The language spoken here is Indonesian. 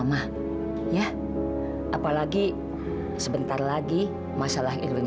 masuk dong masuk